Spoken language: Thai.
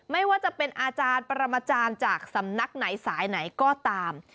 ไม่ว่าจะเป็นอาจารย์ปรมาจารย์จากสำนักไหนสายไหนก็ตาม